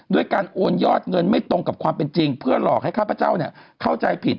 ด้วยการโอนยอดเงินไม่ตรงกับความเป็นจริงเพื่อหลอกให้ข้าพเจ้าเข้าใจผิด